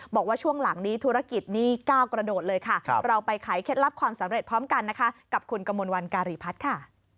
บอกว่าช่วงหลังนี้ธุรกิจนี้ก้าวกระโดดเลยค่ะเราไปขายเคล็ดลับความสำเร็จพร้อมกันนะคะกับคุณกมลวันการีพัฒน์ค่ะ